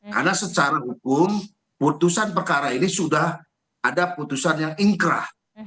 karena secara hukum putusan perkara ini sudah ada putusan yang ingkrah